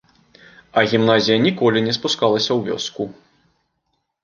А гімназія ніколі не спускалася ў вёску.